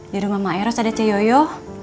di rumah mama eros ada coyote